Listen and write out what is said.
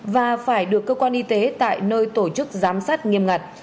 và phải được cơ quan y tế tại nơi tổ chức giám sát nghiêm ngặt